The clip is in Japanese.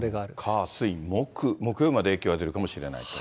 火、水、木、木曜日まで影響が出るかもしれないと。